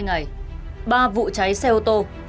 hai ngày ba vụ cháy xe ô tô